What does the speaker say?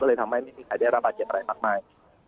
เลยทำให้ไม่มีใครได้รับบาดเจ็บอะไรมากมาย